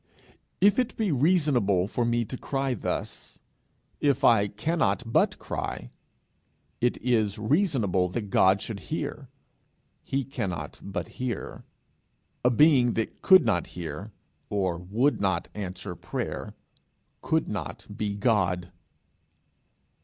If it be reasonable for me to cry thus, if I cannot but cry, it is reasonable that God should hear, he cannot but hear. A being that could not hear or would not answer prayer, could not be God.